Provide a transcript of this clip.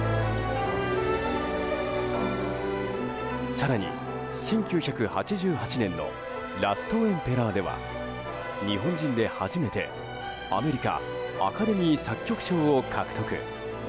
更に、１９８８年の「ラストエンペラー」では日本人で初めて、アメリカアカデミー作曲賞を獲得。